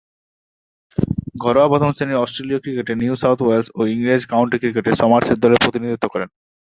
ঘরোয়া প্রথম-শ্রেণীর অস্ট্রেলীয় ক্রিকেটে নিউ সাউথ ওয়েলস ও ইংরেজ কাউন্টি ক্রিকেটে সমারসেট দলের প্রতিনিধিত্ব করেন।